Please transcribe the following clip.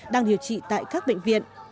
đang điều trị tại các bệnh viện